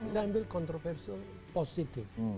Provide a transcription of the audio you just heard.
saya ambil kontroversial positif